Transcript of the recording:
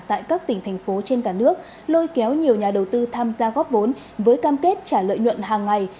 tại các tỉnh thành phố trên cả nước lôi kéo nhiều nhà đầu tư tham gia góp vốn với cam kết trả lợi nhuận hàng ngày